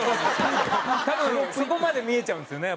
多分そこまで見えちゃうんですよね